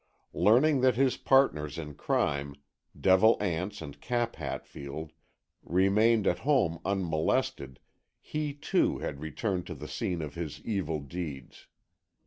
Learning that his partners in crime, Devil Anse and Cap Hatfield, remained at home unmolested, he, too, had returned to the scene of his evil deeds.